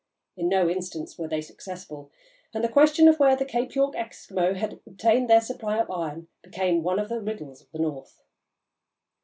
In no instance were they successful, and the question where the Cape York Eskimo had obtained their supply of iron became one of the riddles of the North.